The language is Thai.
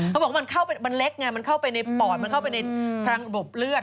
เขาบอกว่ามันเล็กไงมันเข้าไปในปอดมันเข้าไปในพื้นแบบเลือด